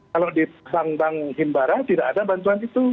kalau di bank bank himbara tidak ada bantuan itu